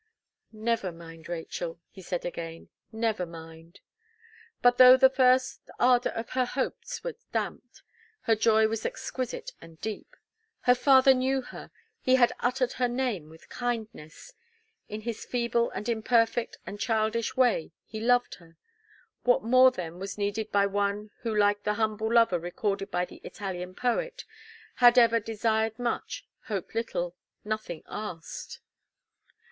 "Never mind, Rachel," he said again, "never mind." But though the first ardour of her hopes was damped, her joy was exquisite and deep. Her father knew her, he had uttered her name with kindness, in his feeble and imperfect and childish way, he loved her! What more then was needed by one who like the humble lover recorded by the Italian poet, had ever "Desired much, hoped little, nothing asked."